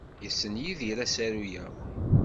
Yessen Yidir asaru-a?